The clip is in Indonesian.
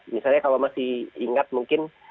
misalnya kalau masih ingat mungkin